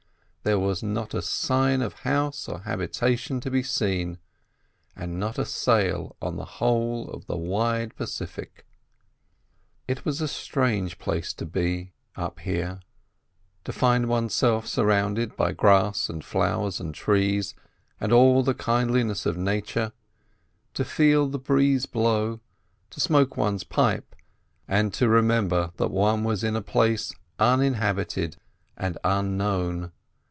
There was not a sign of house or habitation to be seen, and not a sail on the whole of the wide Pacific. It was a strange place to be, up here. To find oneself surrounded by grass and flowers and trees, and all the kindliness of nature, to feel the breeze blow, to smoke one's pipe, and to remember that one was in a place uninhabited and unknown.